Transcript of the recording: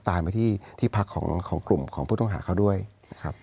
ตามไปที่ที่พักของกลุ่มของผู้ต้องหาเขาด้วยนะครับ